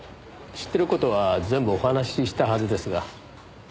知ってる事は全部お話ししたはずですが。